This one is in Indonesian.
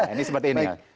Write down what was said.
ini seperti ini